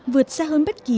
vượt xa hơn bất kỳ